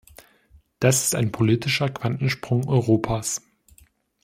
Das ist ein politischer Quantensprung Europas.